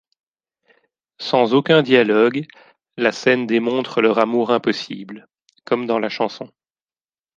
Sans aucun dialogue, la scène démontre leur amour impossible… comme dans la chanson.